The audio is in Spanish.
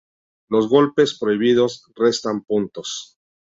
Los golpes prohibidos restan puntos.